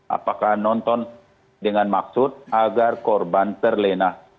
apakah nonton dengan maksud agar korban terlena